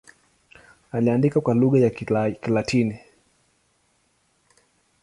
Aliandika kwa lugha ya Kilatini.